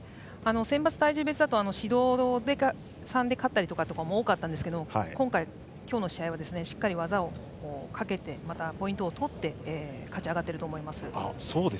選抜体重別だと指導３で勝ったりも多かったんですが今日の試合はしっかり技をかけてそしてポイントを取って勝ち上がっていると思います。